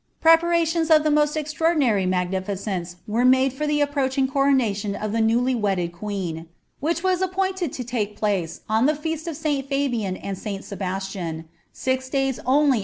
nepaiations of the most extraordinary magnificence were made for the approaching coronation of the newly wedded queen, which was appointed \o take place on the feast of St Fabian and St. Sebastian, six days only tet demand of 20.